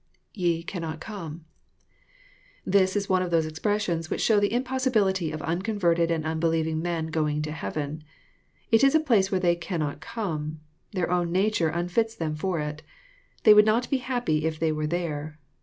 [ Te cannot come,] This is one of those expressions which show the impossibility of unconverted and unbelieving men going to heaven. It is a place wh^fe' they " cannot come." Their own nfiiture unfits them for it. They would not be happy if they were there.